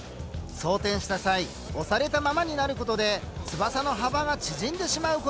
装填した際押されたままになることで翼の幅が縮んでしまうことが発覚。